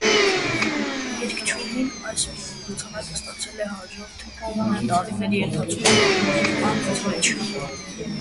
Երգչուհին այս մրցանակը ստացել է հաջորդ ինը տարիների ընթացքում անընդմեջ։